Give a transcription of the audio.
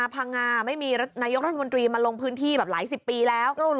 พังงาไม่มีนายกรัฐมนตรีมาลงพื้นที่แบบหลายสิบปีแล้ว